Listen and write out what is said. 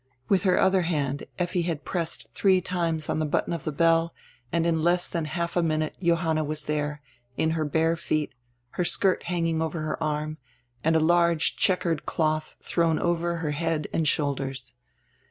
With her other hand Effi had pressed three times on tire button of tire bell and in less than half a minute Johanna was there, in her bare feet, her skirt hanging over her arm and a large check ered cloth thrown over her head and shoulders.